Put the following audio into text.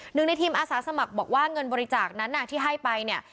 หนึ่งในทีมอาสาสมัครบอกว่าเงินบริจาคนั้นที่ให้ไปเนี่ย